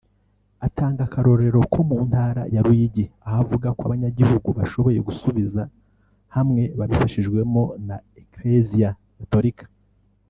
Atanga akarorero ko mu ntara ya Ruyigi aho avuga ko abanyagihugu bashoboye gusubiza hamwe babifashijwemwo na eklezia gatorika